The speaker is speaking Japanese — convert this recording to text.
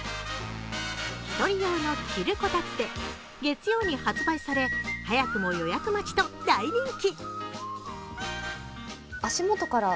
１人用の着るこたつで月曜に発売され早くも予約待ちと大人気。